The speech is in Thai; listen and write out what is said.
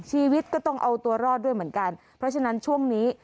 ชีวิตก็ต้องเอาตัวรอดด้วยเหมือนกันเพราะฉะนั้นช่วงนี้